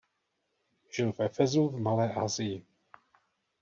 Žil v Efesu v Malé Asii.